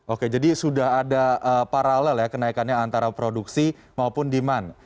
oke jadi sudah ada paralel ya kenaikannya antara produksi maupun demand